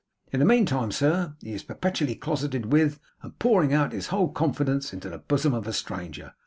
In the meantime, sir, he is perpetually closeted with, and pouring his whole confidence into the bosom of, a stranger.